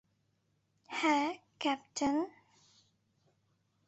হ্যাঁ, ক্যাপ্টেন?